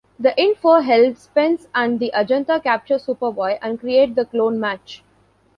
The info helped Spence and the Agenda capture Superboy and create the clone Match.